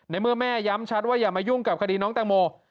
ในเมื่อแม่ย้ำชัดว่าอย่ามายุ่งกับคดีน้องแตงโม